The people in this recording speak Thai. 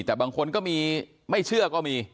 แต่บางคนก็มีไม่เชื่อก็มี